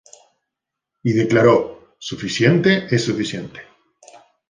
Y declaró: "Suficiente es suficiente.